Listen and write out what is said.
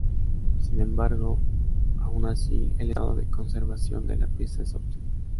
Sin embargo, aun así, el estado de conservación de la pieza es óptimo.